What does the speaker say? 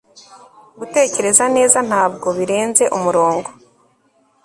gutekereza neza ntabwo birenze umurongo